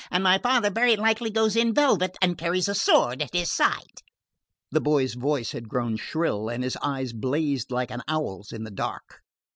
and my father very likely goes in velvet and carries a sword at his side." The boy's voice had grown shrill, and his eyes blazed like an owl's in the dark.